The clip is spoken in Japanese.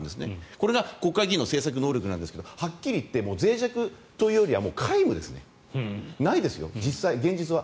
これが国会議員の政策能力なんですがはっきり言ってぜい弱というよりないですねないですよ、実際、現実は。